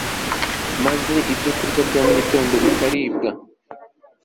maze ibyokurya bya mugitondo bikaribwa